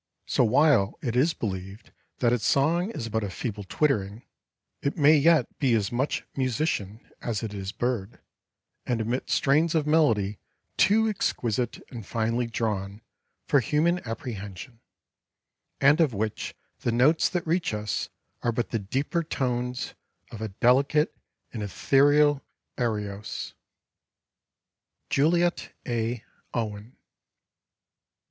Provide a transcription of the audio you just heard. So while it is believed that its song is but a feeble twittering, it may yet be as much musician as it is bird, and emit strains of melody too exquisite and finely drawn for human apprehension, and of which the notes that reach us are but the deeper tones of a delicate and etherial ariose. Juliette A. Owen.